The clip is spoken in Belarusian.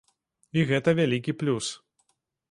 І гэта вялікі плюс.